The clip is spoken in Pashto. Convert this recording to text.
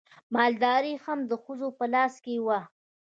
مالداري هم د ښځو په لاس کې وه.